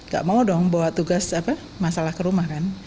gak mau dong bawa tugas masalah ke rumah kan